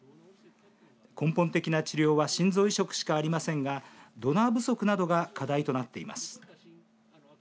根本的な治療は心臓移植しかありませんがドナー不足などが課題となっています。